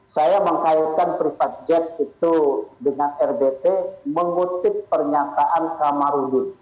saya mengkaitkan privat jet itu dengan rbt mengutip pernyataan kamarudin